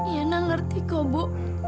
ibu ngerti ibu